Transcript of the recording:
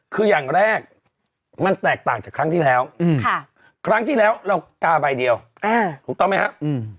คืออย่างแรกมันแตกต่างจากครั้งที่แล้วครั้งที่แล้วเรากาใบเดียวถูกต้องไหมครับ